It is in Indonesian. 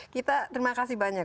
kita terima kasih banyak